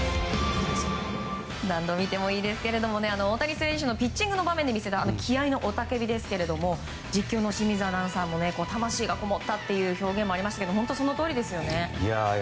何度見てもいいですけれども大谷選手のピッチングの場面で見せた気合の雄たけびですけれども実況の清水アナウンサーも魂がこもったという表現もありましたけど本当にそのとおりですよね。